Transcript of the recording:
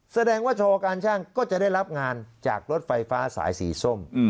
แสดงว่าโชว์การช่างก็จะได้รับงานจากรถไฟฟ้าสายสีส้ม